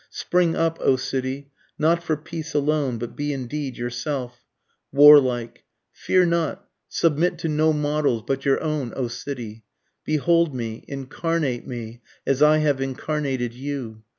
Spring up, O city not for peace alone, but be indeed yourself, warlike! Fear not submit to no models but your own O city! Behold me incarnate me as I have incarnated you!